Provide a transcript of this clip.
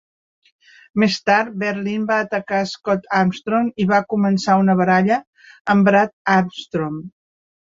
Més tard, Berlyn va atacar a Scott Armstrong i va començar una baralla amb Brad Armstrong.